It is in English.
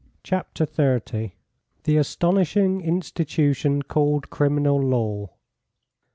CHAPTER XXX. THE ASTONISHING INSTITUTION CALLED CRIMINAL LAW.